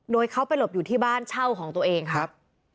โดยเขาไปหลบอยู่ที่บ้านเช่าของตัวเองครับ